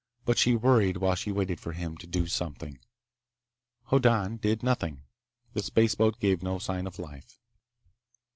But she worried while she waited for him to do something. Hoddan did nothing. The spaceboat gave no sign of life.